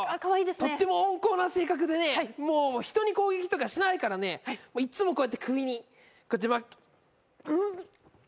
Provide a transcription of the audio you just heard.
とっても温厚な性格でねもう人に攻撃とかしないからねいっつもこうやって首にこうやって。